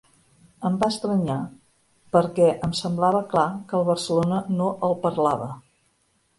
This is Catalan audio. Em va estranyar, perquè em semblava clar que el Barcelona no el parlava.